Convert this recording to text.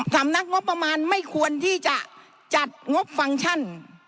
สำนักงบประมาณไม่ควรที่จะจัดงบฟังก์ชัน